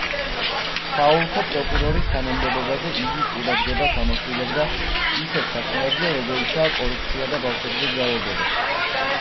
საოლქო პროკურორის თანამდებობაზე იგი ყურადღებას ამახვილებდა ისეთ საქმეებზე, როგორიცაა კორუფცია და ბავშვებზე ძალადობა.